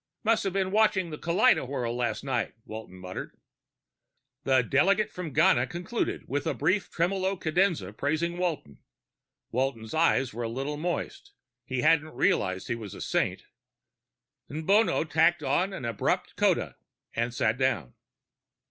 "Must have been watching the kaleidowhirl last night," Walton murmured. The delegate from Ghana concluded with a brief tremolo cadenza praising Walton. Walton's eyes were a little moist; he hadn't realized he was a saint. Nbono tacked on an abrupt coda and sat down.